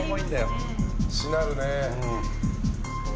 しなるね。